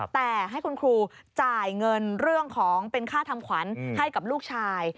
แต่ให้คุณครูจ่ายเงินเรื่องของเป็นค่าทำขวัญให้กับลูกชาย